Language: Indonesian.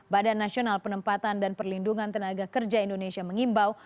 badan nasional penempatan dan perlindungan tenaga kerja indonesia mengimbau